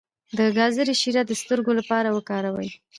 د ګازرې شیره د سترګو لپاره وکاروئ